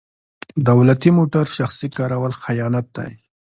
دولتي موټر شخصي کارول خیانت دی.